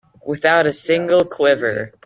Without a single quiver.